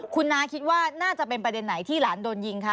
คุณน้าคิดว่าน่าจะเป็นประเด็นไหนที่หลานโดนยิงคะ